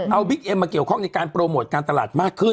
เอาบิ๊กเอ็มมาเกี่ยวข้องในการโปรโมทการตลาดมากขึ้น